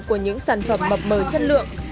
của những sản phẩm mập mờ chất lượng